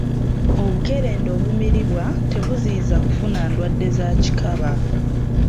Obukerenda obumiribwa tebuziyiza kufuna ndwadde za kikaba.